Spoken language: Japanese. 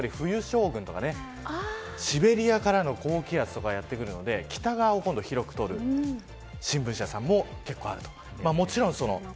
ただ、あしたからは冬将軍とかシベリアからの高気圧がやってくるので北側を今度は広く取る新聞社さんも結構ある。